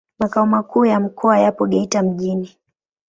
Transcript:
Makao makuu ya mkoa yapo Geita mjini.